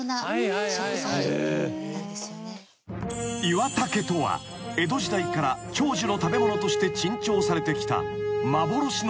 ［イワタケとは江戸時代から長寿の食べ物として珍重されてきた幻の食材］